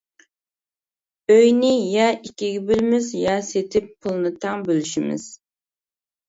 ئۆينى يا ئىككىگە بۆلىمىز يا سېتىپ پۇلنى تەڭ بۆلۈشىمىز.